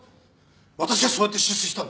私はそうやって出世したんだ。